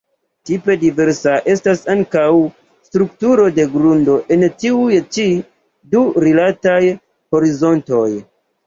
Tipe diversa estas ankaŭ strukturo de grundo en tiuj ĉi du rilataj horizontoj.